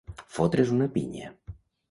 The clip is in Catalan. Fotre's una pinya.